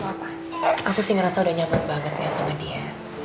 nggak apa apa aku sih ngerasa udah nyaman banget ya sama dia